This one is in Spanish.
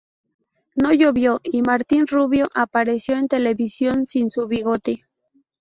No llovió y Martín Rubio apareció en televisión sin su bigote.